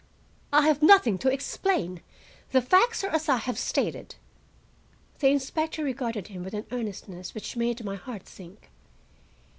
"I have nothing to explain,—the facts are as I have stated." The inspector regarded him with an earnestness which made my heart sink.